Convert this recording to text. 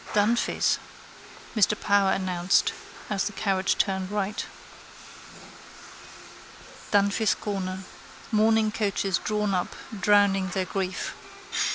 —Dunphy's, Mr Power announced as the carriage turned right. Dunphy's corner. Mourning coaches drawn up, drowning their grief.